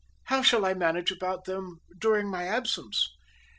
"How shall I manage about them during my absence?"